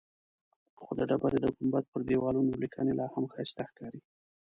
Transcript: خو د ډبرې د ګنبد پر دیوالونو لیکنې لاهم ښایسته ښکاري.